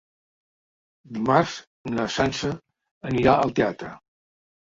Dimarts na Sança anirà al teatre.